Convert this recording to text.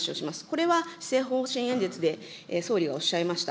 これは施政方針演説で総理がおっしゃいました。